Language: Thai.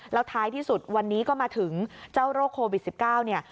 แล้วท้ายที่สุดวันนี้ก็มาถึงเจ้าโรคโควิด๑๙เนี่ย